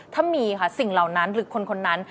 ถ้ามีค่ะสิ่งเหล่านั้นหรือคนนั้น